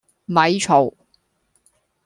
咪嘈